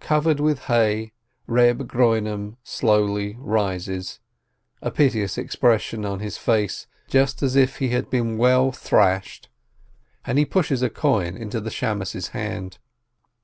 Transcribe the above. Covered with hay, Eeb Groinom rises slowly, a piteous expression on his face, just as if he had been well thrashed, and he pushes a coin into the Shamash's hand.